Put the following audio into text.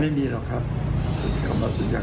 ไม่มีหรอกครับคำว่าสุนยากาศ